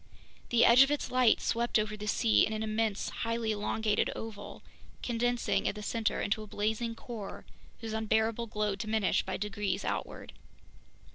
The edge of its light swept over the sea in an immense, highly elongated oval, condensing at the center into a blazing core whose unbearable glow diminished by degrees outward.